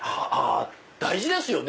大事ですよね